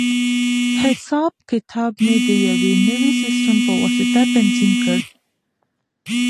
حساب کتاب مې د یوې نوې سیسټم په واسطه تنظیم کړ.